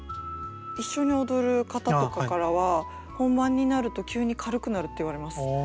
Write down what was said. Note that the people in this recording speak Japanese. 一緒に踊る方とかからは本番になると急に軽くなるって言われます。